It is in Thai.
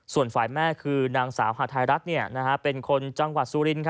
ส่วนฝ่ายแม่คือนางสาวฮาทายรักษ์เป็นคนจังหวัดซูลิน